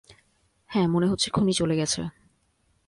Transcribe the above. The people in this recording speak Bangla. হ্যাঁ, মনে হচ্ছে খুনি চলে গেছে।